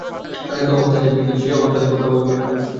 তাদের তো অভাব থাকবেই, কিন্তু সে অভাব তাদের পক্ষে অভাবই নয়।